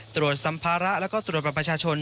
ตรวจสัมภาระแล้วก็ตรวจประประชาชน